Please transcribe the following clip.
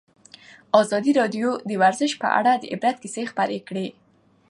ازادي راډیو د ورزش په اړه د عبرت کیسې خبر کړي.